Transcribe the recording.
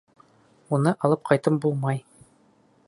Уны алып ҡайтып булмай!